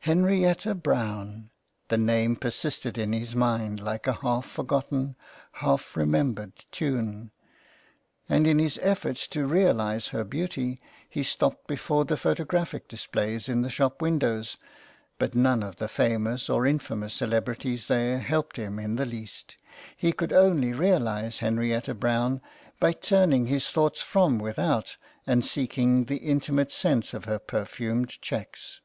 Henrietta Brown ! the name persisted in his mind like a half forgotten, half remembered tune ; and in his efforts to realize 263 THE CLERK'S QUEST. her beauty he stopped before the photographic displays in the shop windows ; but none of the famous or the infamous celebrities there helped him in the least. He could only realize Henrietta Brown by turning his thoughts from without and seeking the intimate sense of her perfumed cheques.